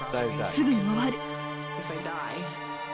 すぐに終わる。